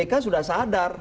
k sudah sadar